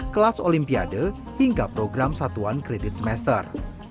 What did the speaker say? kelas olimpiade hingga program satuan kredit semester